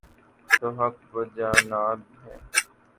تو حق بجانب ہیں۔